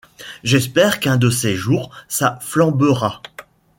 J’espère qu’un de ces jours ça flambera.